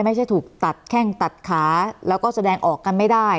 ไม่ใช่ถูกตัดแข้งตัดขาแล้วก็แสดงออกกันไม่ได้